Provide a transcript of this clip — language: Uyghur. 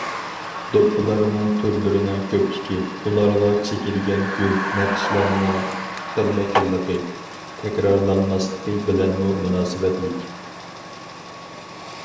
دوپپىلارنىڭ تۈرلىرىنىڭ كۆپلۈكى، ئۇلارغا چېكىلگەن گۈل- نەقىشلەرنىڭ خىلمۇ خىللىقى، تەكرارلانماسلىقى بىلەنمۇ مۇناسىۋەتلىك.